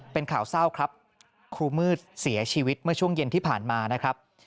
เป็นข่าวเศร้าครับครูมืดเสียชีวิตเมื่อช่วงเย็นที่ผ่านมานะครับ